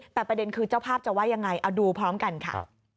แต่ประเด็นคือเจ้าภาพจะว่ายังไงเอาดูพร้อมกันค่ะ